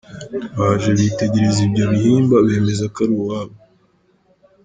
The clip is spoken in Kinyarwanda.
Baje bitegereza ibyo bihimba bemeza ko ari uwabo.